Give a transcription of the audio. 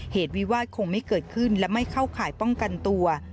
เหตุวิวาสคงไม่เกิดขึ้นและไม่เข้าข่ายป้องกันตัว